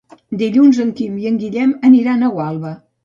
Dilluns en Quim i en Guillem aniran a Gualba.